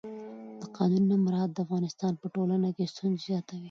د قانون نه مراعت د افغانستان په ټولنه کې ستونزې زیاتوي